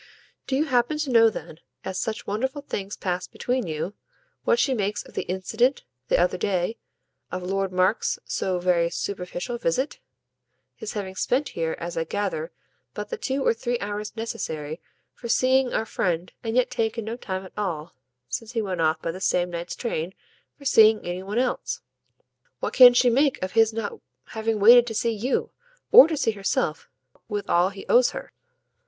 "Do you happen to know then, as such wonderful things pass between you, what she makes of the incident, the other day, of Lord Mark's so very superficial visit? his having spent here, as I gather, but the two or three hours necessary for seeing our friend and yet taken no time at all, since he went off by the same night's train, for seeing any one else. What can she make of his not having waited to see YOU, or to see herself with all he owes her?"